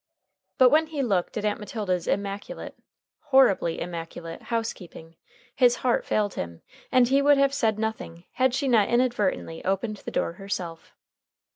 But when he looked at Aunt Matilda's immaculate horribly immaculate housekeeping, his heart failed him, and he would have said nothing had she not inadvertently opened the door herself.